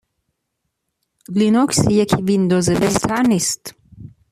لینوکس یک ویندوز بهتر نیست.